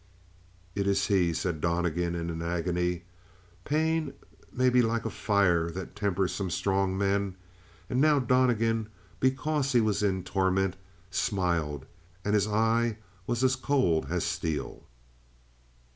"It is he," said Donnegan in an agony. Pain may be like a fire that tempers some strong men; and now Donnegan, because he was in torment, smiled, and his eye was as cold as steel.